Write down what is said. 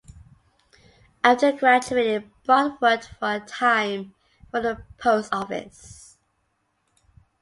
After graduating, Brod worked for a time for the post office.